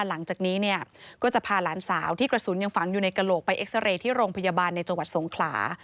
หลังจากนี้เนี่ยก็จะพาหลานสาวที่กระสุนยังฝังอยู่ในกระโหลกไปเอ็กซาเรย์ที่โรงพยาบาลในจังหวัดสงขลา